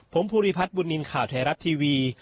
ผมภูริพัฒน์บุญนินทร์ข่าวไทยรัฐทีวี